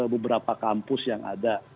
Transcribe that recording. beberapa kampus yang ada